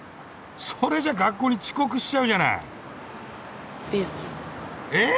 それじゃ学校に遅刻しちゃうじゃない。え！？